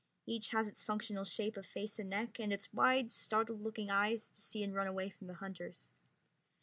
Each has its functional shape of face and neck and its wide, startled looking eyes to see and run away from the hunters.